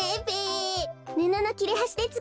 ぬののきれはしでつくったの。